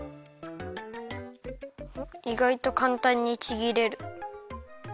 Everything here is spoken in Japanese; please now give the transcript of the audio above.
いがいとかんたんにちぎれる。